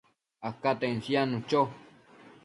acaten siadnu cho